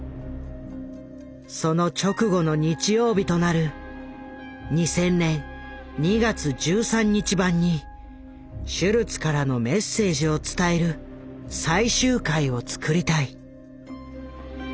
その直後の日曜日となる２０００年２月１３日版にシュルツからのメッセージを伝える最終回を作りたい。